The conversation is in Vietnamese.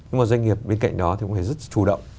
nhưng mà doanh nghiệp bên cạnh đó thì cũng phải rất chủ động